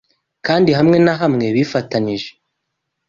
kandi hamwe na hamwe bifatanije